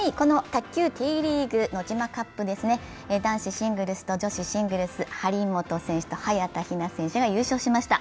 卓球Ｔリーグ、ノジマカップは男子シングルスと女子シングルス、張本選手と早田ひな選手が優勝しました。